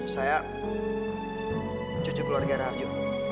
saya cucu keluarga raja